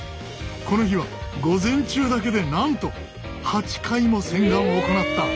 この日は午前中だけでなんと８回も洗顔を行った。